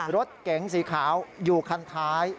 รถเก๋งสีขาวอยู่คันท้าย